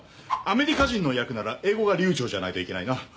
アメリカ人の役なら英語が流ちょうじゃないといけないな。